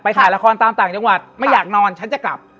ถ่ายละครตามต่างจังหวัดไม่อยากนอนฉันจะกลับ